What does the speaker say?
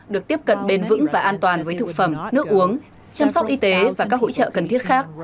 được tiếp cận bền vững và an toàn với thực phẩm nước uống chăm sóc y tế và các hỗ trợ cần thiết khác